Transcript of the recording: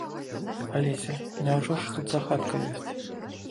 Алеся, няўжо ж тут загадка ёсць?